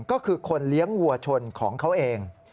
ก็คือคนเลี้ยงวัวชนของเขาเอง